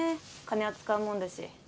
金は使うもんだし。